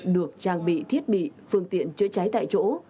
được trang bị thiết bị phương tiện chữa cháy tại chỗ